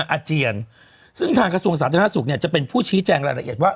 อาเจียนซึ่งทางกระทรวงสาธารณสุขเนี่ยจะเป็นผู้ชี้แจงรายละเอียดว่า